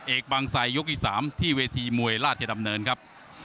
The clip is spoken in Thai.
เอกบางไซยกที่๓ที่เวทีมวยราชดำเนินครับ